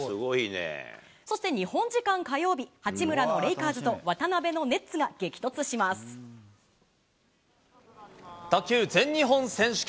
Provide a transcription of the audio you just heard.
そして日本時間火曜日、八村のレイカーズと、卓球全日本選手権。